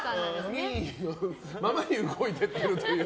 民意のままに動いているという。